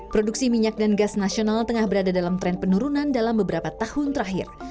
produksi minyak dan gas nasional tengah berada dalam tren penurunan dalam beberapa tahun terakhir